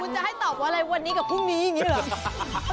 จะให้ตอบอะไรวันนี้กับพรุ่งนี้อย่างนี้เหรอ